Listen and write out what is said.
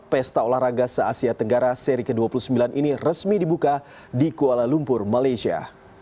pesta olahraga se asia tenggara seri ke dua puluh sembilan ini resmi dibuka di kuala lumpur malaysia